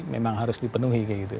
memang harus dipenuhi kayak gitu